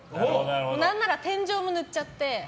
何なら、天井も塗っちゃって。